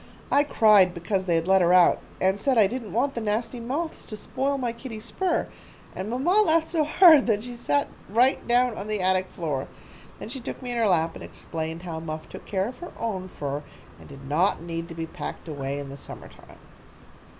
"I cried because they had let her out, and said I didn't want the nasty moths to spoil my kitty's fur, and mamma laughed so hard that she sat right down on the attic floor. Then she took me in her lap and explained how Muff took care of her own fur, and did not need to be packed away in the summer time."